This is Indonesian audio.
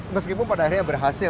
meskipun pada akhirnya berhasil